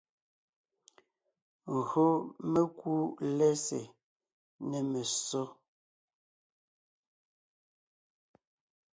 Gÿo mekú lɛ́sè nê messó,